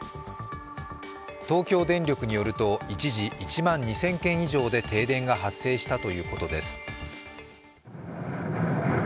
東京電力によると、一時１万２０００軒以上で停電が発生したということです。